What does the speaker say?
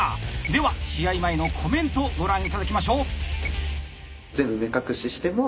では試合前のコメントをご覧頂きましょう！